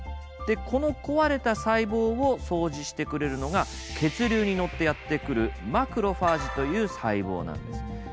この壊れた細胞を掃除してくれるのが血流に乗ってやって来るマクロファージという細胞なんです。